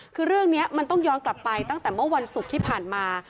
คือเรื่องนี้มันต้องย้อนกลับไปตั้งแต่เมื่อวันศุกร์ที่ผ่านมา